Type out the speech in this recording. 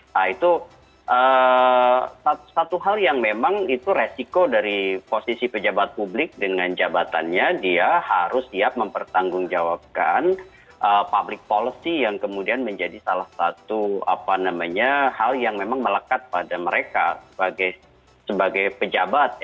nah itu satu hal yang memang itu resiko dari posisi pejabat publik dengan jabatannya dia harus siap mempertanggungjawabkan public policy yang kemudian menjadi salah satu hal yang memang melekat pada mereka sebagai pejabat